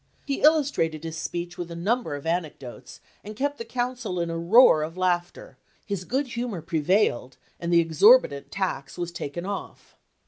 He illustrated his speech with a num ber of anecdotes, and kept the council in a roar of laughter; his good humor prevailed, and the exorbitant tax was taken off.